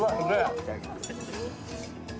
いただきます。